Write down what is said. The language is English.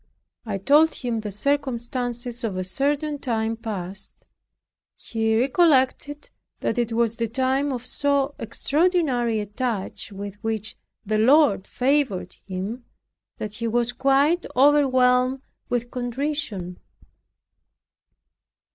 I told him the circumstances of a certain time past; he recollected that it was the time of so extraordinary a touch with which the Lord favored him, that he was quite overwhelmed with contrition.